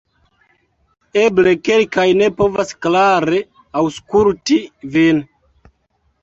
Eble kelkaj ne povas klare aŭskulti vin